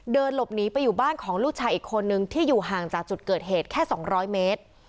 เดินหลบหนีไปอยู่บ้านของลูกชายอีกคนนึงที่อยู่ห่างจากจุดเกิดเหตุแค่๒๐๐เมตร